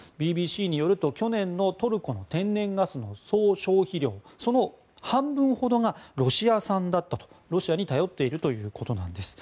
ＢＢＣによると去年のトルコの天然ガスの総消費量その半分ほどがロシア産でロシアに頼っているということです。